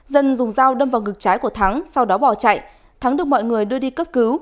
dân dùng dao đâm vào ngực trái của thắng sau đó bỏ chạy thắng được mọi người đưa đi cấp cứu